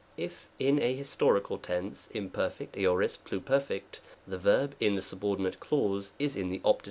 If in a histori cal tense (Imperf., Aor., Pluperf.), the verb in the sub ordinate clause is in the Opt.